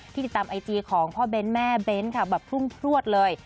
ติดตามไอจีของพ่อเบ้นแม่เบ้นค่ะแบบพรุ่งพลวดเลย